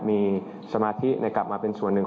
มีสมาธิในกลับมาเป็นส่วนหนึ่ง